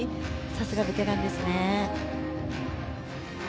さすがベテランですね。